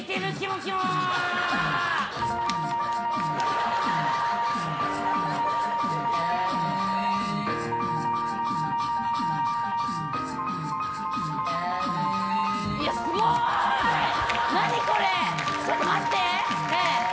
ちょっと待って！